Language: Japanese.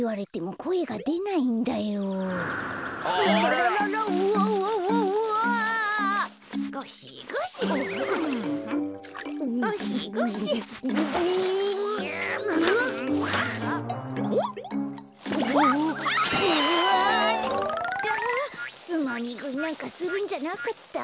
こころのこえつまみぐいなんかするんじゃなかった。